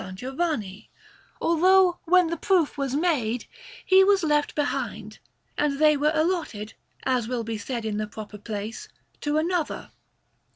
Giovanni, although, when the proof was made, he was left behind, and they were allotted, as it will be said in the proper place, to another.